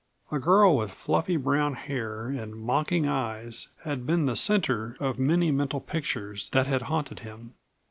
A girl with fluffy brown hair and mocking eyes had been the center of many mental pictures that had haunted him.